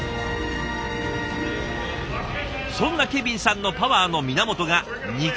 そんなケビンさんのパワーの源が「肉」。